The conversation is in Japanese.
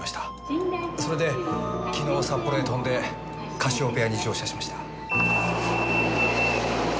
それで昨日札幌へ飛んでカシオペアに乗車しました。